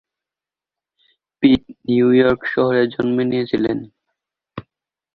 পিট New York শহরে জন্ম নিয়েছিলেন।